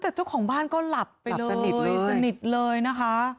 แต่เจ้าของบ้านก็หลับไปเลยสนิทเลยนะคะ